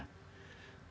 karena menurut kita